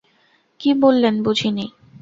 কী বললেন বুঝিনি?